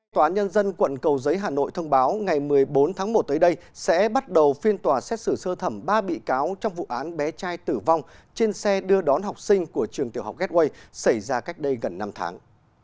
tòa án nhân dân quận cầu giấy hà nội thông báo ngày một mươi bốn tháng một tới đây sẽ bắt đầu phiên tòa xét xử sơ thẩm ba bị cáo trong vụ án bé trai tử vong trên xe đưa đón học sinh của trường tiểu học gateway xảy ra cách đây gần năm tháng